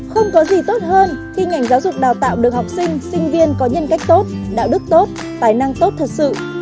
không có gì tốt hơn khi ngành giáo dục đào tạo được học sinh sinh viên có nhân cách tốt đạo đức tốt tài năng tốt thật sự